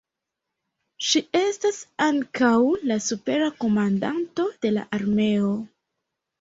Ŝi estas ankaŭ la supera komandanto de la armeo.